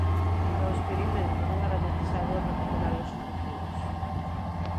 Para o experimento non era necesario recuperar os cultivos.